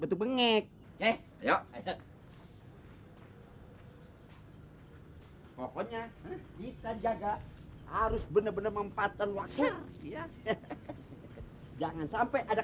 betul bengik ya ayo pokoknya kita jaga harus bener bener mempatah waktu ya jangan sampai ada